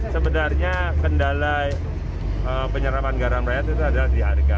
sebenarnya kendala penyerapan garam rakyat itu adalah di harga